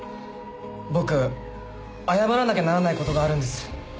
僕謝らなきゃならない事があるんです。